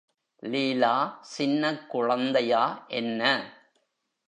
லீலா சின்னக் குழந்தையா என்ன?